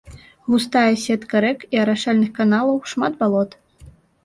Густая сетка рэк і арашальных каналаў, шмат балот.